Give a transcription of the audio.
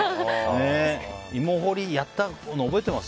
芋掘り、やったの覚えてます？